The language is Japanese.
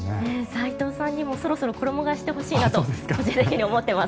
斎藤さんにもそろそろ衣替えをしてほしいなと個人的には思っています。